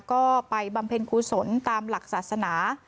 ก็ไปบำเพ็ญกุศลตามหลักศาสนา